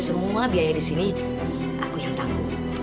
semua biaya disini aku yang tanggung